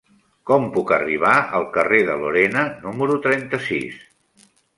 Com puc arribar al carrer de Lorena número trenta-sis?